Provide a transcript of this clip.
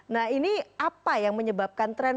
nah ini apa yang menyebabkan tren